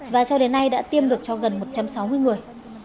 và cho đến nay đã tiêm được cho gần một trăm sáu mươi người